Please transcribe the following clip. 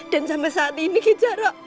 dan sampai saat ini kejar